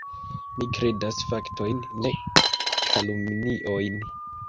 Mi kredas faktojn, ne kalumniojn.